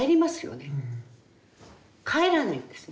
帰らないんですね。